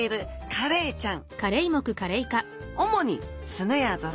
カレイちゃん！